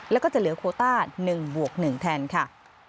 แล้วก็จะเหลือโคต้า๑บวก๑แทนค่ะ